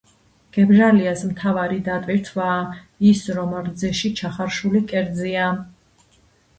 გებჟალიას მთავარი დატვირთვაა ის, რომ რძეში ჩახარშული კერძია.